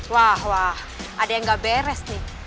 wah ada yang enggak beres nih